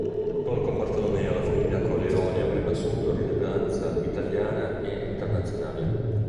Solo con Bartolomeo la famiglia Colleoni avrebbe assunto rilevanza italiana e internazionale.